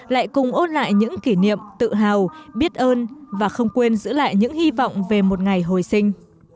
lại cùng ôn lại những kỷ niệm tự hào biết ơn và không quên giữ lại những hy vọng về một ngày hồi sinh